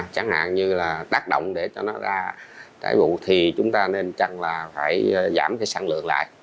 chẳng hạn như là tác động để cho nó ra trái vụ thì chúng ta nên chăng là phải giảm cái sản lượng lại